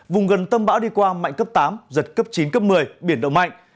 vùng gần tâm bão đi qua mạnh cấp tám giật cấp chín cấp một mươi biển động mạnh